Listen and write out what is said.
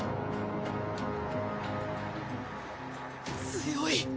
強い。